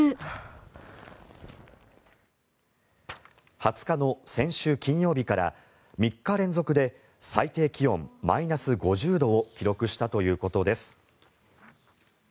２０日の先週金曜日から３日連続で最低気温マイナス５０度を記録したということです。